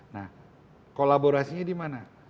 nah kolaborasinya dimana